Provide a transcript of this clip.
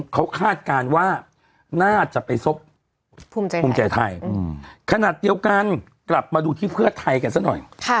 เขาคาดการณ์ว่าน่าจะไปซบภูมิใจภูมิใจไทยขนาดเดียวกันกลับมาดูที่เพื่อไทยกันซะหน่อย